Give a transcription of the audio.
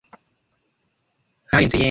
Ntarenze yen .